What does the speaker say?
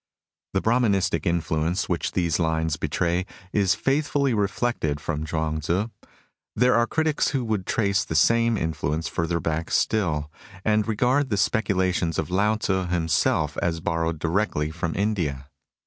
The Brahmanistic influence which these lines betray is faithfully reflected from Chuang Tzu. There are critics who would trace the same influence further back still, and regard the specu lations of Lao Tzu himself as borrowed directly from India.